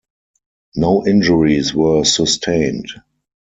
No injuries were sustained.